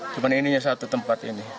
tapi ini satu tempat ini